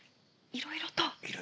いろいろと？